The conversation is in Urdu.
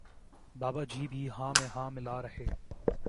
بابا جی بھی ہاں میں ہاں ملا رہے